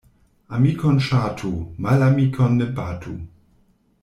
Amikon ŝatu, malamikon ne batu.